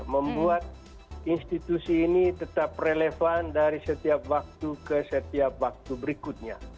membuat institusi ini tetap relevan dari setiap waktu ke setiap waktu berikutnya